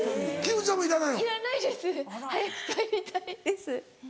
早く帰りたいです。